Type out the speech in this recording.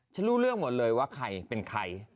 รู้เรื่องหมดเลยว่าใครเป็นใคร